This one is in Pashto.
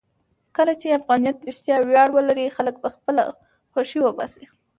کله چې افغانیت رښتیا ویاړ ولري، خلک به خپله خوښۍ وباسي.